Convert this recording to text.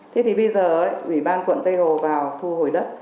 thế thì bây giờ ủy ban quận tây hồ vào thu hồi đất